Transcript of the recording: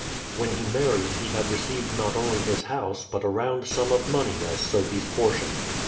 When he married he had received not only his house but a round sum of money as Sophie's portion.